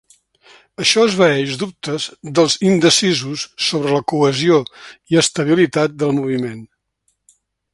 Això esvaeix dubtes dels indecisos sobre la cohesió i estabilitat del moviment.